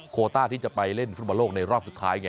โคต้าที่จะไปเล่นฟุตบอลโลกในรอบสุดท้ายไง